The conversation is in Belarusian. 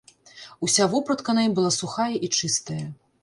Уся вопратка на ім была сухая і чыстая.